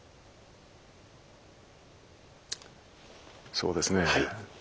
そうですね。